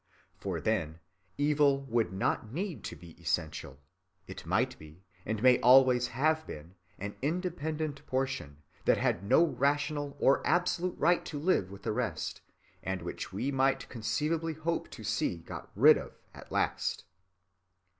For then evil would not need to be essential; it might be, and may always have been, an independent portion that had no rational or absolute right to live with the rest, and which we might conceivably hope to see got rid of at last.